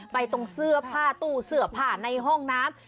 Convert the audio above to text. ตรงเสื้อผ้าตู้เสื้อผ้าในห้องน้ำ